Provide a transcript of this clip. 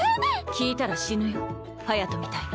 聴いたら死ぬよ隼みたいに。